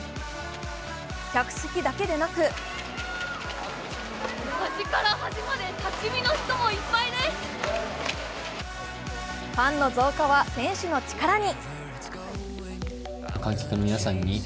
客席だけでなくファンの増加は選手の力に。